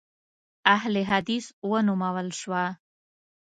اهل حدیث ونومول شوه.